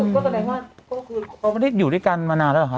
ก็แสดงว่าก็คือเขาไม่ได้อยู่ด้วยกันมานานแล้วเหรอคะ